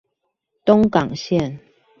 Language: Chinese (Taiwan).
東港線